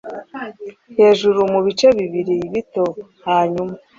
Hejuru mu bice bibiri bito hanyuma